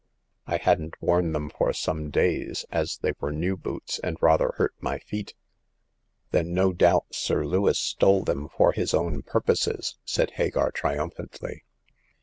'* I hadn't worn them for some days, as they were new boots, and rather hurt my feet." Then no doubt Sir Lewis stole them for his own purposes," said Hagar triumphantly.